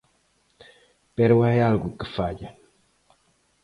Pero hai algo que falla.